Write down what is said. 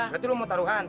berarti lo mau taruhan